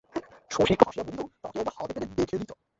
শশী একটু হাসিয়া বলিল, তাকে একবার হাতে পেলে দেখে নিতাম।